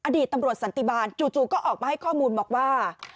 อดีตตำรวจสันติบาลจู่ก็ออกมาให้ข้อมูลบอกว่า